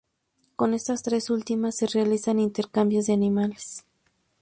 Con estas tres últimas se realizan intercambios de animales.